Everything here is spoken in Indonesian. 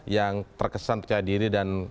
yang terkesan percaya diri dan